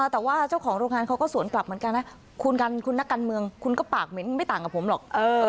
แต่ว่าเจ้าของโรงงานเขาก็สวนกลับเหมือนกันนะคุณนักการเมืองคุณก็ปากเหม็นไม่ต่างกับผมหรอก